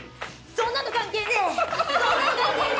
そんなの関係ねえ！